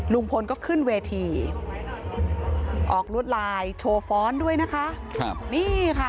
ลุงพลก็ขึ้นเวทีออกรวดลายโชว์ฟ้อนด้วยนะคะครับนี่ค่ะ